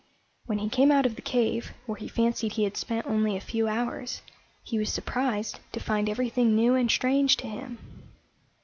When he came out of the cave, where he fancied he had spent only a few hours, he was surprised to find everything new and strange to him.